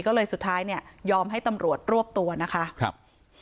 ก็เลยสุดท้ายยอมให้ตำรวจรวบตัวนะคะ